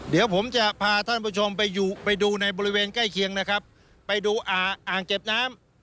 เดี๋ยวผมจะพาท่านผู้ชมไปอยู่ไปดูในบริเวณใกล้เคียงนะครับไปดูอ่าอ่างเก็บน้ำ